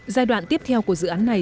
giai đoạn tiếp theo của dự án này